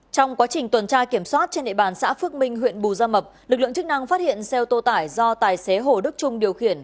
trong quá trình tuần tra kiểm soát trên địa bàn xã phước minh huyện bù gia mập lực lượng chức năng phát hiện xe ô tô tải do tài xế hồ đức trung điều khiển